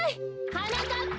はなかっぱ！